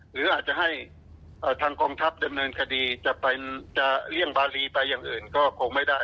หรืออาจจะให้ทางกองทัพดำเนินคดีจะไปเลี่ยงบารีไปอย่างอื่นก็คงไม่ได้